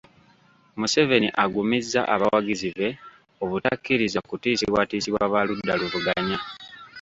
Museveni agumizza abawagizi be obutakkiriza kutiisibwatiisibwa ba ludda luvuganya